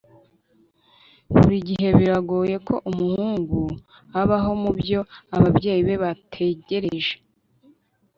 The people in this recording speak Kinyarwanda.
Buri gihe biragoye ko umuhungu abaho mubyo ababyeyi be bategereje